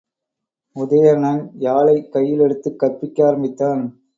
உதயணன் யாழைக் கையிலெடுத்துக் கற்பிக்க ஆரம்பித்தான்.